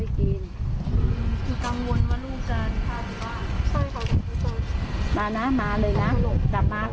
พี่เนื่องให้ค่า